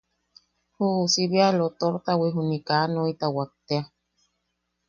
Ju uusi bea lotortawi juni kaa noitawak tea.